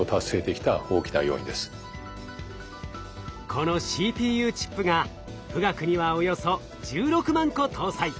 このＣＰＵチップが富岳にはおよそ１６万個搭載。